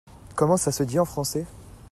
Comment ça se dit en français ?